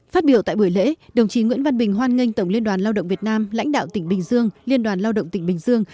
phát biểu tại buổi lễ đồng chí nguyễn văn bình hoan nghênh tổng liên đoàn lao động việt nam lãnh đạo tỉnh bình dương liên đoàn lao động tỉnh bình dương